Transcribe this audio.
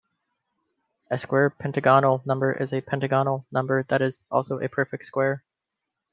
A square pentagonal number is a pentagonal number that is also a perfect square.